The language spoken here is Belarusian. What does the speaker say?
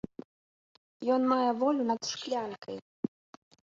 Ён мае волю над шклянкай.